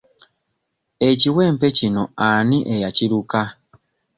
Ekiwempe kino ani eyakiruka?